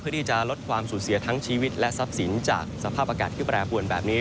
ที่จะลดความสูญเสียทั้งชีวิตและทรัพย์สินจากสภาพอากาศที่แปรปวนแบบนี้